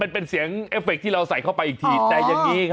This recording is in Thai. เป็นเสียงเอฟเฟคที่เราใส่เข้าไปอีกที